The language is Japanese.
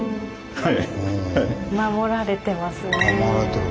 はい。